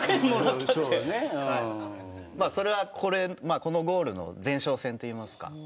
それは、このゴールの前哨戦と言いますか。